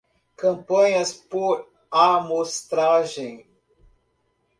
Campanhas por amostragem